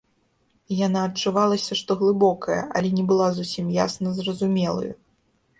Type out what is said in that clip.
Яна адчувалася, што глыбокая, але не была зусім ясна зразумелаю.